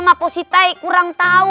mapo si tai kurang tau